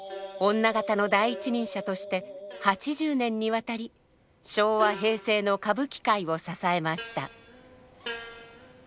女方の第一人者として８０年にわたり昭和・平成の歌舞伎界を支えました。